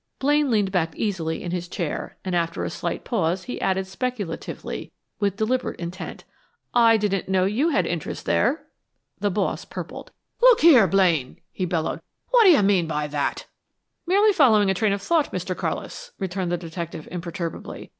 Blaine leaned back easily in his chair, and after a slight pause he added speculatively, with deliberate intent, "I didn't know you had interests there!" The Boss purpled. "Look here, Blaine!" he bellowed. "What d'you mean by that?" "Merely following a train of thought, Mr. Carlis," returned the detective imperturbably.